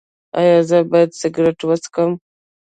ایا زه باید سګرټ وڅکوم؟